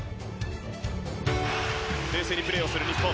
冷静にプレーをする日本。